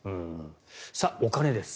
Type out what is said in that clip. お金です。